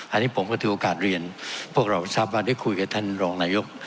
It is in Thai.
อันนี้ผมก็ถือโอกาสเรียนพวกเราทราบว่าได้คุยกับท่านรองนายก